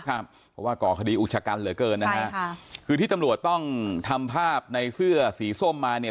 เพราะว่าก่อคดีอุกชะกันเหลือเกินนะฮะค่ะคือที่ตำรวจต้องทำภาพในเสื้อสีส้มมาเนี่ย